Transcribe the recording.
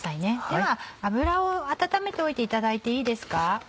では油を温めておいていただいていいですか？